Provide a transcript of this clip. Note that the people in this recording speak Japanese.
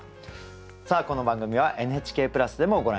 さあこの番組はＮＨＫプラスでもご覧頂けます。